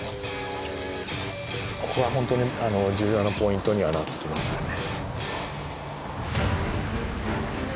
ここはホントに重要なポイントにはなってますよね。